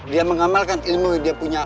dia mengamalkan ilmu dia punya